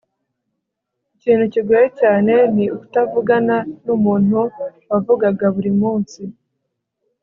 ikintu kigoye cyane ni ukutavugana n'umuntu wavugaga buri munsi